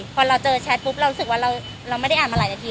พอเราเจอแชทปุ๊บเรารู้สึกว่าเราไม่ได้อ่านมาหลายนาที